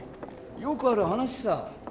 よくある話さ。